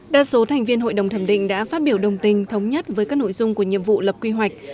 đa số thành viên hội đồng thẩm định đã phát biểu đồng tình thống nhất với các nội dung của nhiệm vụ lập quy hoạch